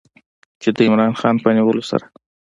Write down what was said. چې د عمران خان په نیولو سره